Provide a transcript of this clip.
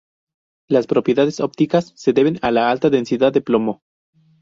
Las propiedades ópticas se deben a la alta densidad del plomo.